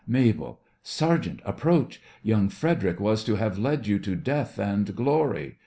MABEL: Sergeant, approach! Young Frederic was to have led you to death and glory.